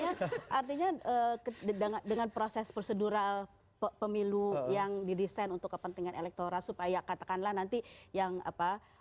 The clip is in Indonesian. artinya dengan proses prosedural pemilu yang didesain untuk kepentingan elektoral supaya katakanlah nanti yang apa